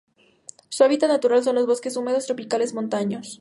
Su hábitat natural son los bosques húmedas tropicales montanos.